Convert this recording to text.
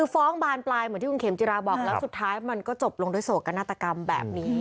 คือฟ้องบานปลายเหมือนที่คุณเข็มจิราบอกแล้วสุดท้ายมันก็จบลงด้วยโศกนาฏกรรมแบบนี้